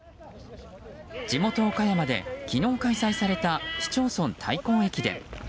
地元・岡山で昨日開催された市町村対抗駅伝。